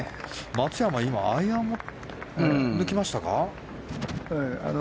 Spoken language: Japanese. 松山はアイアンを抜きましたか。